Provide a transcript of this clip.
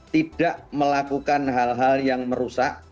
tidak melakukan hal hal yang merusak